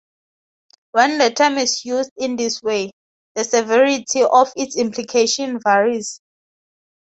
When the term is used in this way, the severity of its implication varies.